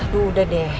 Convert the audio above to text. duh udah deh